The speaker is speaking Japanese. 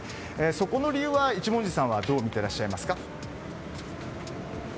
そこの理由を一文字さんはどう見てらっしゃいますか？